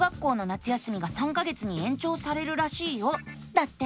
だって！